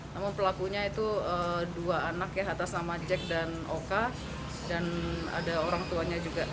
namun pelakunya itu dua anak ya atas nama jack dan oka dan ada orang tuanya juga